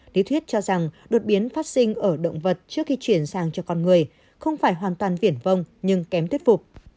lý thuyết cho rằng đột biến phát sinh ở động vật trước khi chuyển sang cho con người không phải hoàn toàn viển vong nhưng kém thuyết phục